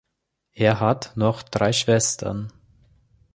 Er hat noch drei Schwestern.